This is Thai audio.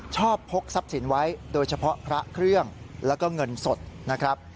พกทรัพย์สินไว้โดยเฉพาะพระเครื่องแล้วก็เงินสดนะครับ